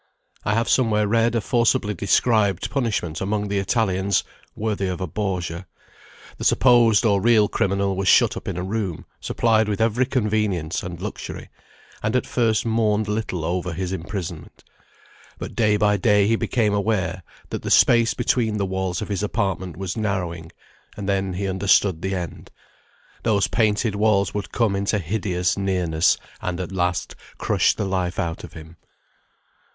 I have somewhere read a forcibly described punishment among the Italians, worthy of a Borgia. The supposed or real criminal was shut up in a room, supplied with every convenience and luxury; and at first mourned little over his imprisonment. But day by day he became aware that the space between the walls of his apartment was narrowing, and then he understood the end. Those painted walls would come into hideous nearness, and at last crush the life out of him.